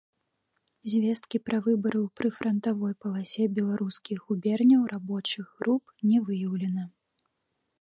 Звесткі пра выбары ў прыфрантавой паласе беларускіх губерняў рабочых груп не выяўлена.